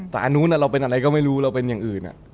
แต่อันนู้นเราเป็นอะไรก็ไม่รู้เราเป็นอย่างอื่น